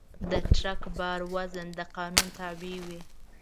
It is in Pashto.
د ټرک بار وزن د قانون تابع وي.